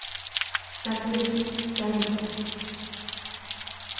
Takeshi Saito